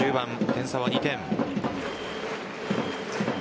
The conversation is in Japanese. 点差は２点。